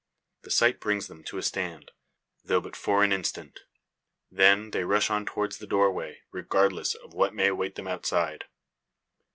The sight brings them to a stand; though, but for an instant. Then, they rush on towards the doorway, regardless of what may await them outside.